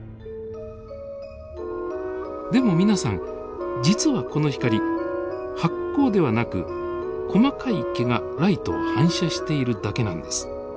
でも皆さん実はこの光発光ではなく細かい毛がライトを反射しているだけなんです。